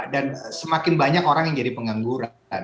dan semakin banyak orang yang jadi pengangguran